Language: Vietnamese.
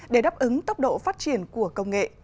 để đáp ứng tốc độ phát triển của công nghệ